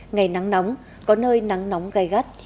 ngày nắng nóng có nơi nắng nóng gai gắt